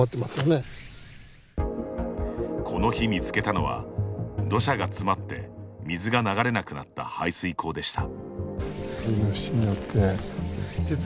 この日見つけたのは土砂が詰まって水が流れなくなった排水溝でした。